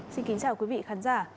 xin kính chào quý vị khán giả